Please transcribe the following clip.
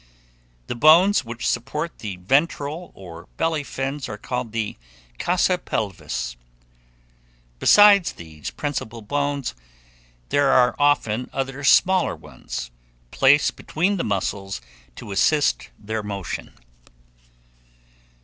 The bones which support the ventral or belly fins are called the ossa pelvis. Besides these principal bones, there are often other smaller ones, placed between the muscles to assist their motion.